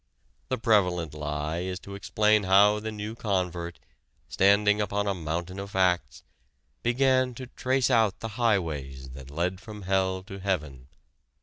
The prevalent lie is to explain how the new convert, standing upon a mountain of facts, began to trace out the highways that led from hell to heaven.